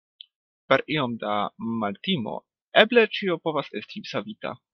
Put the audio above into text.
Per iom da maltimo eble ĉio povas esti savita.